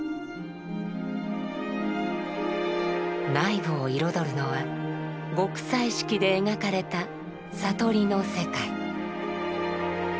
内部を彩るのは極彩色で描かれた「悟り」の世界。